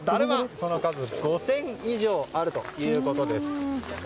その数５０００以上あるということです。